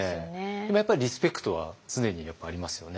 でもやっぱりリスペクトは常にありますよね。